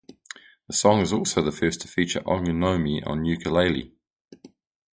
The song is also the first to feature Oginome on ukulele.